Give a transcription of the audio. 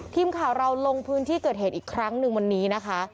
ทีมข่าวเราลงพื้นที่เกิดเหตุอีกครั้งหนึ่งวันนี้นะคะ